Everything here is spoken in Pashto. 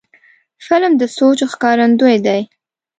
فلم د سوچ ښکارندوی دی